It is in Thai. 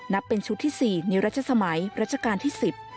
นับเป็นชุดที่๔ในรัชสมัยรัชกาลที่๑๐